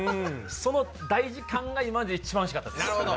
その大事感が今まで一番おいしかったです。